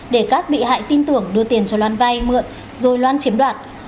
để các bị hại tin tưởng đưa tiền cho loan vay mượn rồi loan chiếm đoạt